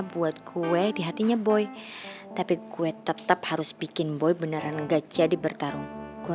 buat kue di hatinya boy tapi gue tetap harus bikin boy beneran enggak jadi bertarung gua